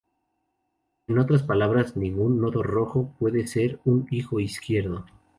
En otras palabras, ningún nodo rojo puede ser un hijo izquierdo.